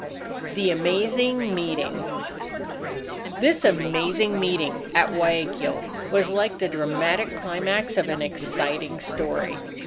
THE AMAZING MEETING This amazing meeting at Guayaquil, was like the dramatic climax of an exciting story.